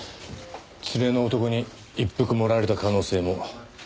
連れの男に一服盛られた可能性も。